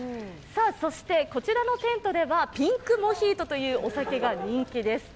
そして、こちらの店舗ではピンクモヒートというお酒が人気です。